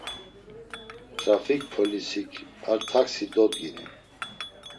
Trafik polisik ar taksi dodginu.